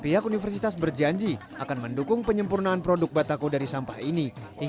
pihak universitas berjanji akan mendukung penyempurnaan produk batako dari sampah ini